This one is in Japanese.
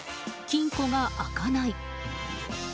金庫が開かない。